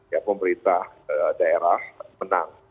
ya pemerintah daerah menang